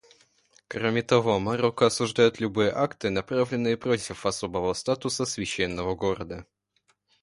Кроме того, Марокко осуждает любые акты, направленные против особого статуса Священного города.